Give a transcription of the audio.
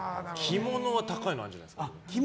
着物は高いのあるじゃないですか。